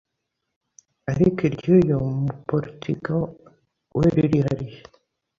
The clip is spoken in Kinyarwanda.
ariko iry’uyu mu Portugal we ririhariye